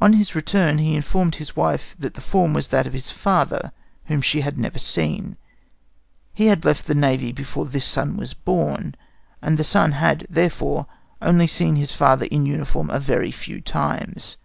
On his return he informed his wife that the form was that of his father, whom she had never seen. He had left the navy before this son was born, and the son had, therefore, only seen his father in uniform a very few times.